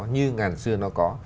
như ngàn xưa nó có